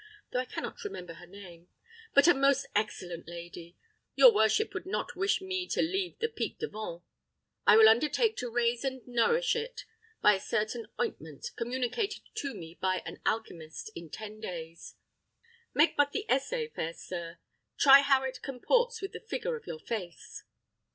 though I cannot remember her name; but a most excellent lady. Your worship would not wish me to leave the pique devant; I will undertake to raise and nourish it, by a certain ointment, communicated to me by an alchymist, in ten days. Make but the essay, fair sir; try how it comports with the figure of your face."